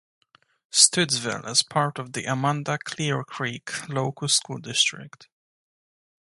Stoutsville is part of the Amanda-Clearcreek Local School District.